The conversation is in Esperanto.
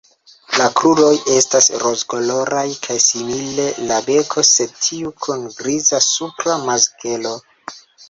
La kruroj estas rozkoloraj kaj simile la beko, sed tiu kun griza supra makzelo.